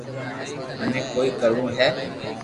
منو ڪوئي ڪروہ ھئ